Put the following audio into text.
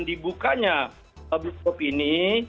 dibukanya bioskop ini